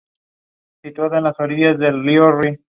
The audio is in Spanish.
Tiene contrafuertes en arenisca roja.